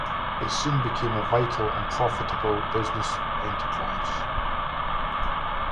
It soon became a vital and profitable business enterprise.